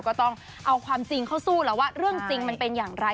ก็ต้องเอาความจริงเข้าสู้แล้วว่าเรื่องจริงมันเป็นอย่างไร